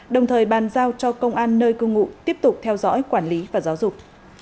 đồng thời bàn giao cho công an nơi cư ngụ tiếp tục theo dõi quản lý và giáo dục